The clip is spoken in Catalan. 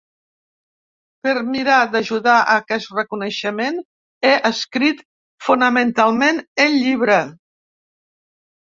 Per mirar d’ajudar a aquest reconeixement he escrit, fonamentalment, el llibre.